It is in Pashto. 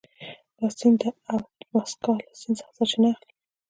دا سیند د اتبسکا له سیند څخه سرچینه اخلي.